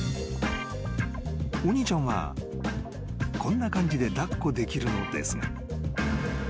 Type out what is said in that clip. ［お兄ちゃんはこんな感じで抱っこできるのですが］